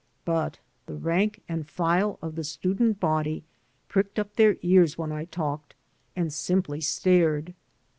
But the rank and file of the student body pricked up their ears when I talked and simply stared.